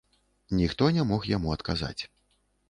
Ніхто не мог яму адказаць.